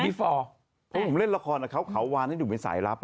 มีฟอร์เพราะผมเล่นละครกับเขาเขาวานให้หนุ่มเป็นสายลับ